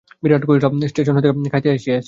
বিহারী কহিল, স্টেশন হইতে খাইয়া আসিয়াছি।